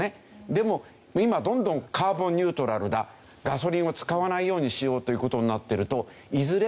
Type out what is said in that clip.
でも今どんどんカーボンニュートラルだガソリンを使わないようにしようという事になっていると。